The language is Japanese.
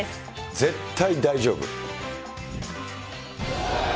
絶対大丈夫。